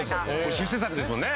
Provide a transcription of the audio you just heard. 出世作ですもんね。